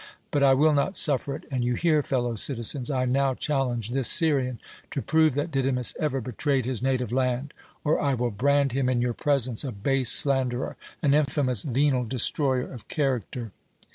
But I will not suffer it; and you hear, fellow citizens, I now challenge this Syrian to prove that Didymus ever betrayed his native land, or I will brand him in your presence a base slanderer, an infamous, venal destroyer of character!"